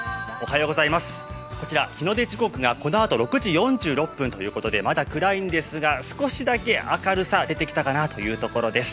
こちら日の出時刻がこのあと６時４分ということでまだ暗いんですが、少しだけ明るさ出てきたかなというところです。